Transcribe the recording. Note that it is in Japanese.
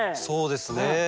そうですね。